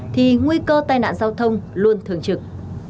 thì nguy cơ tai nạn giao thông luôn thường trực